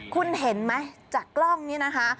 คุณเห็นไหมจากกล้องนี้นะคะ